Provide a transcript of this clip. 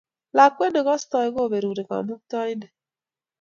Lakwet ne kostoi ko beruri kamuktoindet